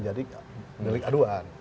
jadi delik aduan